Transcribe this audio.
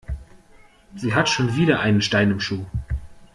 Sie hat schon wieder einen Stein im Schuh.